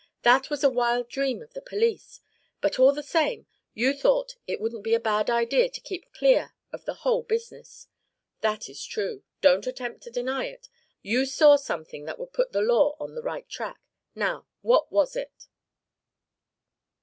That was a wild dream of the police. But all the same you thought it wouldn't be a bad idea to keep clear of the whole business. That is true. Don't attempt to deny it. You saw something that would put the law on the right track. Now, what was it?